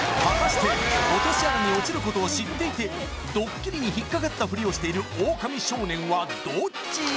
果たして落とし穴に落ちることを知っていてドッキリに引っかかったフリをしているオオカミ少年はどっち？